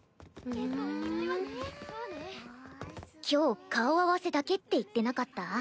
今日顔合わせだけって言ってなかった？